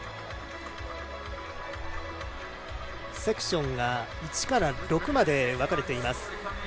セクションが１から６まで分かれています。